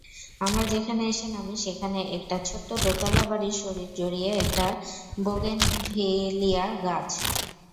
আমরা যেখানে এসে নামি সেখানে, একটা ছোট্ট দোতলা বাড়ির শরীর জড়িয়ে একটাবোগেনিভলিয়াগাছ।